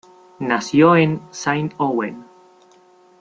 Nació en Saint-Ouen.